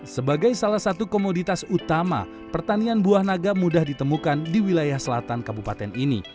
sebagai salah satu komoditas utama pertanian buah naga mudah ditemukan di wilayah selatan kabupaten ini